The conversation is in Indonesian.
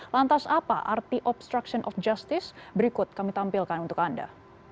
lantas apa arti obstruction of justice berikut kami tampilkan untuk anda